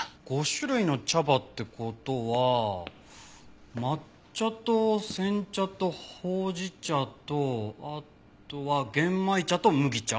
５種類の茶葉って事は抹茶と煎茶とほうじ茶とあとは玄米茶と麦茶。